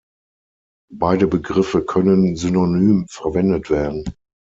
Beide Begriffe können synonym verwendet werden.